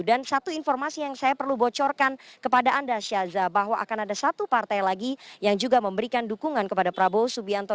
dan satu informasi yang saya perlu bocorkan kepada anda syaza bahwa akan ada satu partai lagi yang juga memberikan dukungan kepada prabowo subianto